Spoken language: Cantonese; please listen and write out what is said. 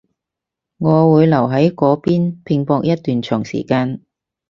我會留喺嗰邊拼搏一段長時間